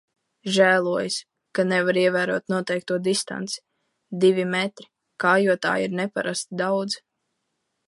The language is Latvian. Žēlojas, ka nevar ievērot noteikto distanci – divi metri, kājotāju ir neparasti daudz.